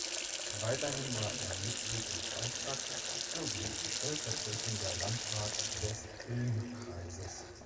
Weiterhin war er Mitglied im Kreistag sowie stellvertretender Landrat des Ilm-Kreises.